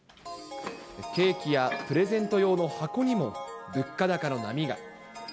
ケーキやプレゼント用の箱にも物価高の波が。